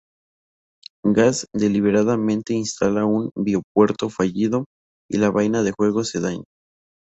Gas deliberadamente instala un bio-puerto fallido y la vaina de juego se daña.